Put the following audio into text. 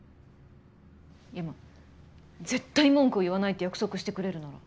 いやまあ絶対文句を言わないって約束してくれるなら。